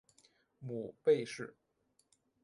母魏氏。